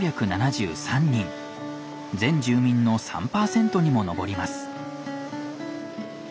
全住民の３％にも上ります。